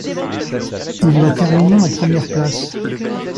Il l’a terminé en première place.